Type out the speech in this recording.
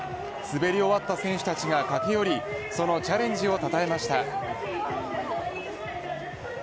滑り終わった選手たちが駆け寄りそのチャレンジをたたえました。